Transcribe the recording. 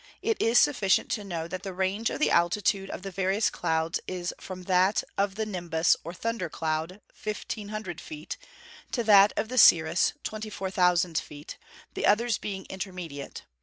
It is sufficient to know that the range of the altitude of the various clouds is from that of the Nimbus, or thunder cloud, 1,500 feet, to that of the Cirrus, 24,000 feet, the others being intermediate.